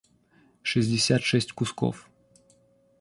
шестьдесят шесть кусков